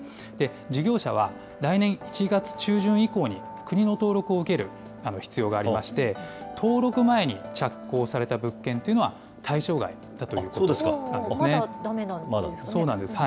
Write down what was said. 事業者は、来年１月中旬以降に、国の登録を受ける必要がありまして、登録前に着工された物件というのは、対象外だということなんですまだだめなんですね。